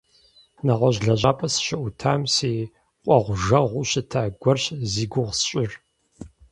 НэгъуэщӀ лэжьапӀэ сыщыӀутам си кӀуэгъужэгъуу щыта гуэрщ зи гугъу сщӀыр.